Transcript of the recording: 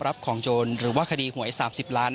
รับของโจรหรือว่าคดีหวย๓๐ล้าน